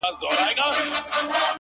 زړگى مي غواړي چي دي خپل كړمه زه-